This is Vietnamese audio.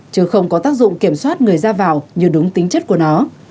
chứ không có tác dụng kiểm soát người ra vào như đúng tính chất của nó